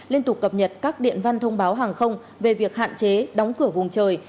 liên tục cập nhật các điện văn thông báo hàng không về việc hạn chế đóng cửa vùng trời